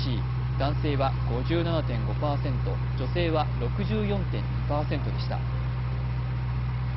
男性は５７．５％、女性は６４．２％でした。